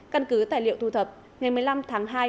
căn cứ tài liệu thu thập ngày một mươi năm tháng hai